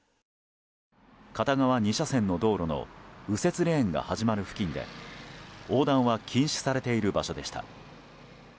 片側２車線の道路の右折レーンが始まる付近で横断は禁止されている場所でした。